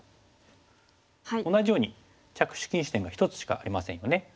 同じように着手禁止点が１つしかありませんよね。